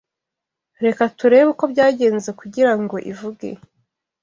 Reka turebe uko byagenze kugirango ivuge